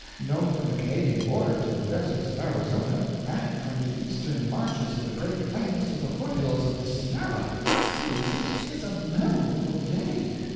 Known from the Canadian border to the deserts of Arizona, and from the eastern marches of the Great Plains to the foot hills of the Sierra! Truly this is a memorable day.